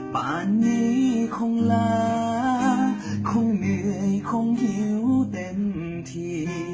ป่านนี้คงลาคงเหนื่อยคงหิวเต็มที